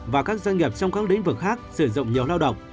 và các doanh nghiệp trong các lĩnh vực khác sử dụng nhiều lao động